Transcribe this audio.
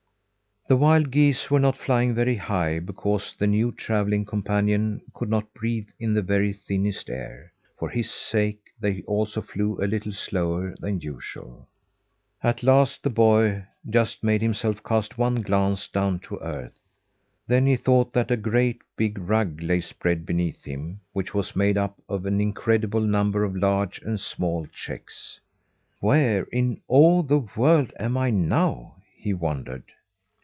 The wild geese were not flying very high because the new travelling companion could not breathe in the very thinnest air. For his sake they also flew a little slower than usual. At last the boy just made himself cast one glance down to earth. Then he thought that a great big rug lay spread beneath him, which was made up of an incredible number of large and small checks. "Where in all the world am I now?" he wondered.